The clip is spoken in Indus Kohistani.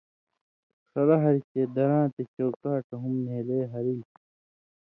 ݜلہ ہاریۡ چےۡ دَراں تے چوکاٹہ ہُم نھېلے ہرِلیۡ۔